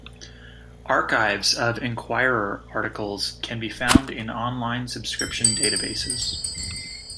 Archives of "Enquirer" articles can be found in online subscription databases.